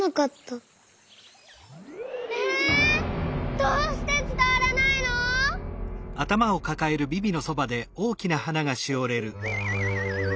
どうしてつたわらないの？